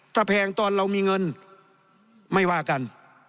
ถ้าแพงตอนเรามีเงินไม่ว่ากัน